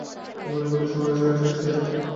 জীবনে কঠিন সময় আসে, সেটা ঠিক।